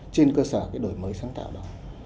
trên cơ sở cái đổi mới sáng tạo đó